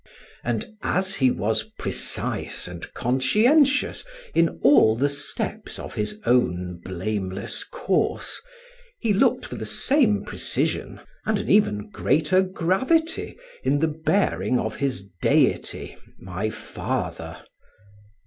And as he was precise and conscientious in all the steps of his own blameless course, he looked for the same precision and an even greater gravity in the bearing of his deity, my father.